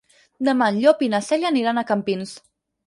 Demà en Llop i na Cèlia aniran a Campins.